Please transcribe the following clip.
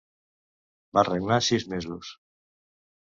Va regnar sis mesos.